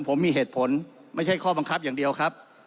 ผมมีเหตุผลไม่ใช่ข้อบังคับอย่างเดียวครับ